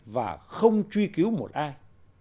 và không truy cứu một ai